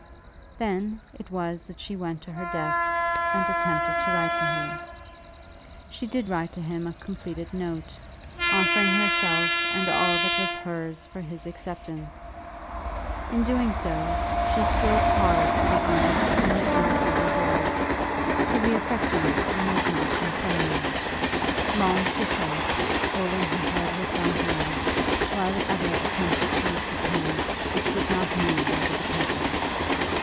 Then it was that she went to her desk, and attempted to write to him. She did write to him a completed note, offering herself and all that was hers for his acceptance. In doing so, she strove hard to be honest and yet not over bold; to be affectionate and yet not unfeminine. Long she sat, holding her head with one hand, while the other attempted to use the pen which would not move over the paper.